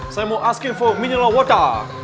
saya mau askin for mineral water